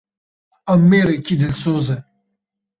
Ew mêrekî dilsoz e.